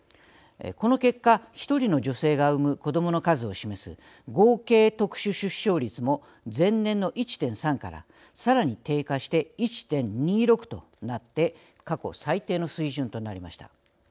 この結果、１人の女性が産む子どもの数を示す合計特殊出生率も前年の１．３からさらに低下して１．２６となって過去最低の水準となりました。